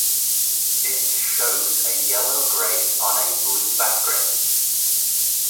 It shows a yellow grate on a blue background.